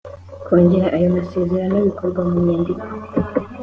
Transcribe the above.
kongera ayo masezerano bikorwa mu nyandiko.